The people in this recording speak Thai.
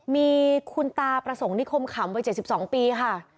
มีคุณตาประสงค์นิคมขำวัย๗๒ปีค่ะ